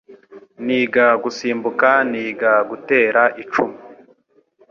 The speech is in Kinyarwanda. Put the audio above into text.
niga gusimbuka niga gutera icumu